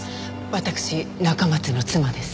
私中松の妻です。